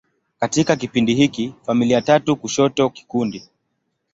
Katika kipindi hiki, familia tatu kushoto kikundi.